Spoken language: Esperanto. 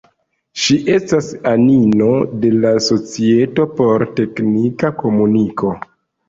Ŝi estas anino de la Societo por Teknika Komuniko.